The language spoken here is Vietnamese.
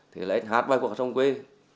thế là anh hát bài phục hạt sông quê